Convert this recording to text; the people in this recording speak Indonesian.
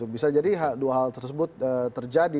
bisa jadi dua hal tersebut terjadi